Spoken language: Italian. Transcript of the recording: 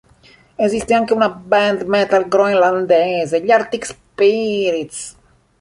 Esiste anche una band metal groenlandese, gli Arctic Spirits.